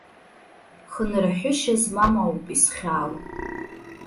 Хынрҳәышьа змам ауп исхьаау.